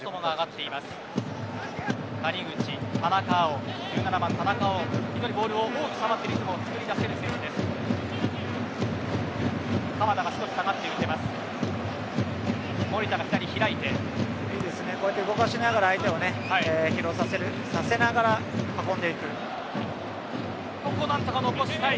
いいですね、動かしながら相手に疲労させながら運んでいく。